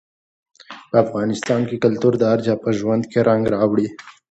په افغانستان کې کلتور د هر چا په ژوند کې رنګ راوړي.